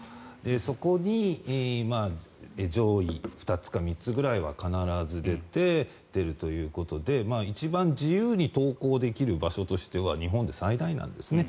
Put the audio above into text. そこに上位２つか３つぐらいは必ず出るということで一番自由に投稿できる場所としては日本で最大なんですね。